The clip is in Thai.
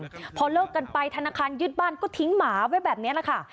พอเลิกกันไปธนาคารยึดบ้านก็ทิ้งหมาไว้แบบนี้แหละค่ะ